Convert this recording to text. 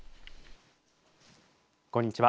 こんにちは。